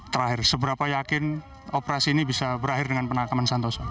terakhir seberapa yakin operasi ini bisa berakhir dengan penangkapan santoso